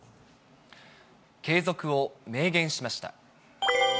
継続を明言しました。